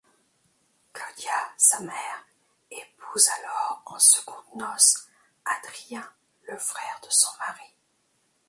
Claudia, sa mère, épouse alors en secondes noces Adrien, le frère de son mari.